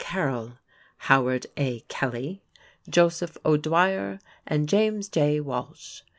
Carroll, Howard A. Kelly, Joseph O'Dwyer, and James J. Walsh.